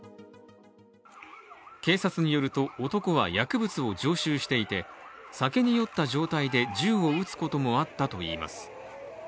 警察によると、男は薬物を常習していて酒に酔った状態で銃を撃つこともあったといいます。